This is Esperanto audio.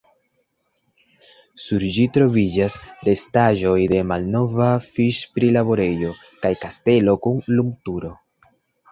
Sur ĝi troviĝas restaĵoj de malnova fiŝ-prilaborejo kaj kastelo kun lumturo.